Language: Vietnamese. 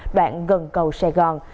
đoạn gần cầu sài gòn